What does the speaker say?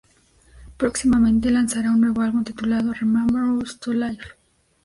Próximamente lanzará un nuevo álbum titulado "Remember Us to Life.